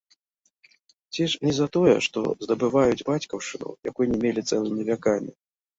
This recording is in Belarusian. Ці ж не за тое, што здабываюць бацькаўшчыну, якой не мелі цэлымі вякамі?